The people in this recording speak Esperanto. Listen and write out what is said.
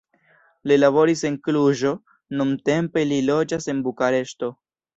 Li laboris en Kluĵo, nuntempe li loĝas en Bukareŝto.